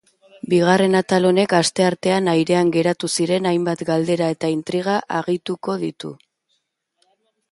Bigarren atal honek asteartean airean geratu ziren hainbat galdera eta intriga agituko ditu.